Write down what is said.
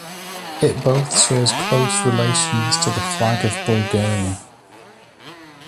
It both shares close relations to the flag of Bulgaria.